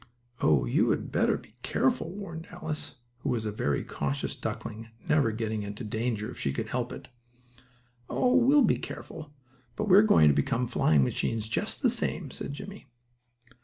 "Oh, you had better be careful," warned Alice, who was a very cautious duckling, never getting into danger if she could help it. "Oh, we'll be careful, but we are going to become flying machines just the same," said Jimmie.